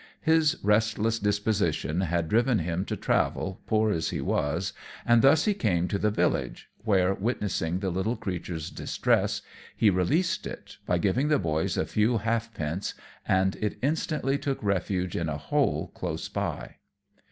His restless disposition had driven him to travel, poor as he was, and thus he came to the village, where witnessing the little creature's distress he released it, by giving the boys a few half pence, and it instantly took refuge in a hole close by.